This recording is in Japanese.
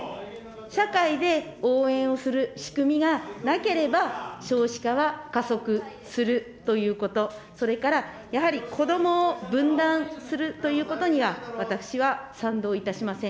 社会で応援をする仕組みがなければ、少子化は加速するということ、それから、やはり子どもを分断するということについては、私は賛同いたしません。